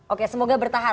oke semoga bertahan